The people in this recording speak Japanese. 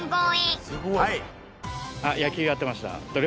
野球やってました。